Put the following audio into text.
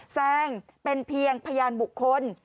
แซงเป็นเพียงพยานบุคคล